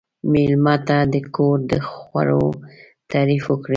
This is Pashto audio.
مېلمه ته د کور د خوړو تعریف وکړئ.